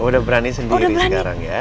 udah berani sendiri sekarang ya